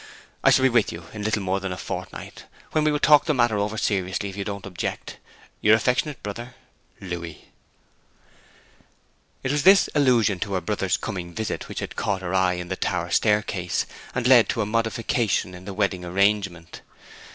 I shall be with you in little more than a fortnight, when we will talk over the matter seriously, if you don't object. Your affectionate brother, LOUIS.' It was this allusion to her brother's coming visit which had caught her eye in the tower staircase, and led to a modification in the wedding arrangement.